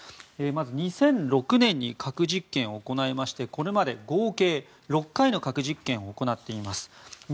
まず、２００６年に核実験を行いましてこれまで合計６回の核実験を行っています。